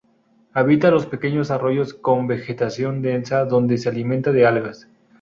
Habita los pequeños arroyos con vegetación densa, donde se alimenta de algas.